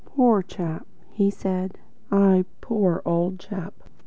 "Poor chap," he said. "Ah, poor old chap."